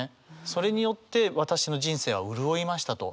それによって私の人生は潤いましたと。